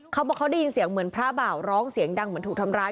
เขาบอกเขาได้ยินเสียงเหมือนพระบ่าวร้องเสียงดังเหมือนถูกทำร้าย